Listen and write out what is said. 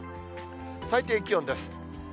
最低気温です。